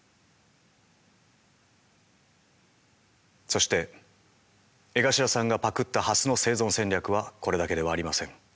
そして江頭さんがパクったハスの生存戦略はこれだけではありません。